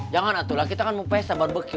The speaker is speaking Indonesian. jangan atuh lah kita kan mau pesta barbeque